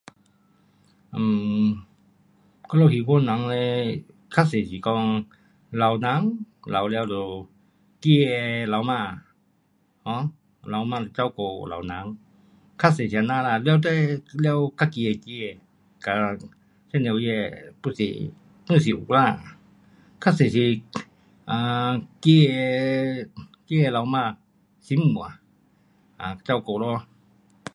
我们兴化人更多的时候说老人老了，儿子的妻子照顾老人。更多的时候是这样的。自己的儿子女儿也有。更多的时候是儿子的妻子媳妇照顾